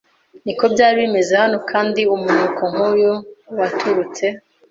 Niko byari bimeze hano kandi umunuko nkuyu waturutse